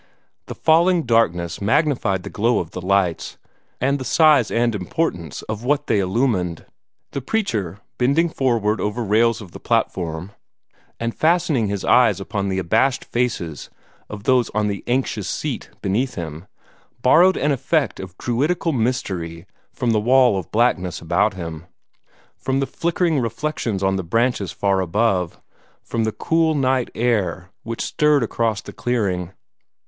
The falling darkness magnified the glow of the lights, and the size and importance of what they illumined. The preacher, bending forward over the rails of the platform, and fastening his eyes upon the abashed faces of those on the "anxious seat" beneath him, borrowed an effect of druidical mystery from the wall of blackness about him, from the flickering reflections on the branches far above, from the cool night air which stirred across the clearing.